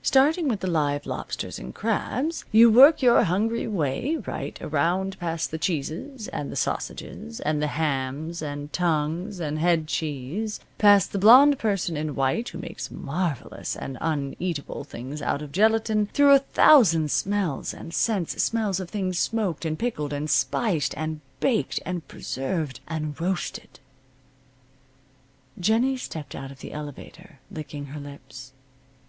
Starting with the live lobsters and crabs you work your hungry way right around past the cheeses, and the sausages, and the hams, and tongues, and head cheese, past the blonde person in white who makes marvelous and uneatable things out of gelatine, through a thousand smells and scents smells of things smoked, and pickled, and spiced, and baked and preserved, and roasted. Jennie stepped out of the elevator, licking her lips.